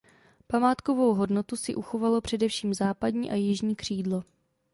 Památkovou hodnotu si uchovalo především západní a jižní křídlo.